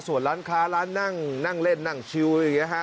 ส่วนร้านค้าร้านนั่งนั่งเล่นนั่งชิวอะไรอย่างนี้ฮะ